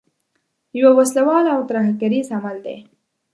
یو وسله وال او ترهګریز عمل دی.